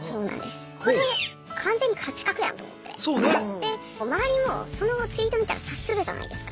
で周りもそのツイート見たら察するじゃないですか。